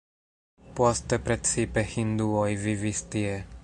Poste precipe hinduoj vivis tie.